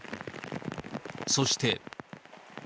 そして。